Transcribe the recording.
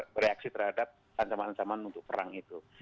bereaksi terhadap ancaman ancaman untuk perang itu